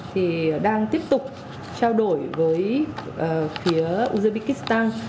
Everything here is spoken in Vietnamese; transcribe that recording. thì đang tiếp tục trao đổi với phía uzbekistan